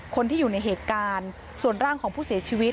คนที่อยู่ในเหตุการณ์ส่วนร่างของผู้เสียชีวิต